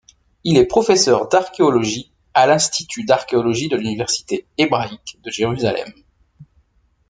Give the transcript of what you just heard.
Il est professeur d'archéologie à l'Institut d'archéologie de l'Université hébraïque de Jérusalem.